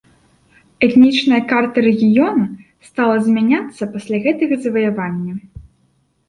Этнічная карта рэгіёна стала змяняцца пасля гэтага заваявання.